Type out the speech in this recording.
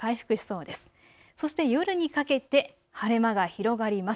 そして夜にかけて晴れ間が広がります。